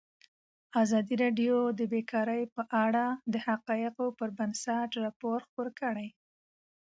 ازادي راډیو د بیکاري په اړه د حقایقو پر بنسټ راپور خپور کړی.